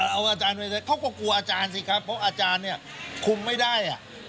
เอาอาจารย์ไปเขาก็กลัวอาจารย์สิครับเพราะอาจารย์เนี่ยคุมไม่ได้